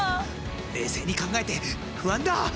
冷静に考えて不安だ！